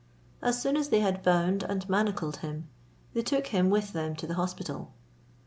As soon as they had bound and manacled him, they took him with them to the hospital.